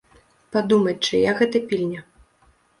Падумаць, чыя гэта пільня.